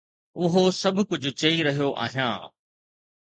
اهو سڀ ڪجهه چئي رهيو آهيان